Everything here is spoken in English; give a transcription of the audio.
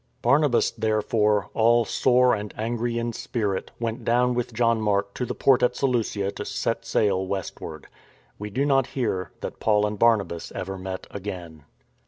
Barnabas, therefore, all sore and angry in spirit, went down with John Mark to the port at Seleucia to set sail westward. We do not hear that Paul and Barnabas ever met again.